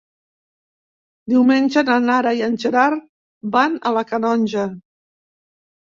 Diumenge na Nara i en Gerard van a la Canonja.